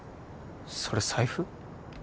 それ財布？